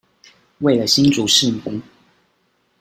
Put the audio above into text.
為了新竹市民